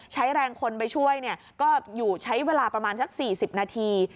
ใช้แรงคนไปช่วยก็อยู่ใช้เวลาประมาณสัก๔๐นาที